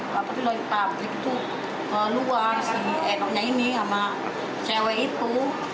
lepas itu dari pabrik itu keluar si enoknya ini sama cewek itu